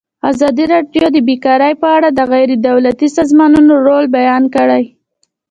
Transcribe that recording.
ازادي راډیو د بیکاري په اړه د غیر دولتي سازمانونو رول بیان کړی.